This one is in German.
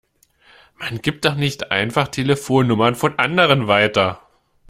Man gibt doch nicht einfach Telefonnummern von anderen weiter!